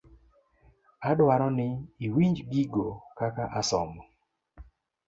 Adwaro ni iwinj gigo kaka asomo.